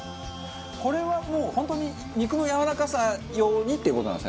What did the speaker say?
これはもう本当に肉のやわらかさ用にっていう事なんですか？